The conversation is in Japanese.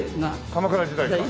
鎌倉時代か。